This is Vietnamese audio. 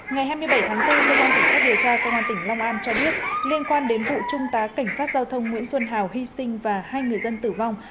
ngày hai mươi bảy tháng bốn cơ quan cảnh sát điều tra công an tỉnh long an cho biết liên quan đến vụ trung tá cảnh sát giao thông nguyễn xuân hào hy sinh và hai người dân tử vong